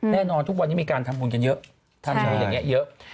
แน่นอนทุกวันนี้มีการทำบุญกันเยอะทำบุญอย่างนี้เยอะ